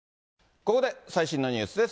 ここで最新のニュースです。